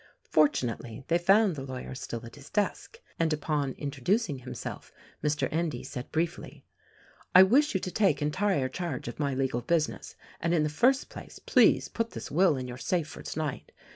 Fortunately they found the lawyer still at his desk; and upon introducing himself Mr. Endy said briefly: "I wish you to take entire charge of my legal business — and in the first place, please put this will in your safe for tonight.